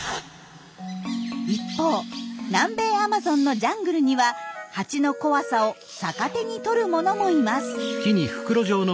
一方南米アマゾンのジャングルにはハチの怖さを逆手に取るものもいます。